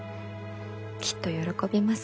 きっと喜びます。